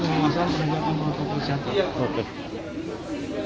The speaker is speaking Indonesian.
mengalasan penerbangan protokol kesehatan